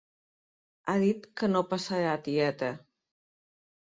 Ha dit que no passarà, tieta.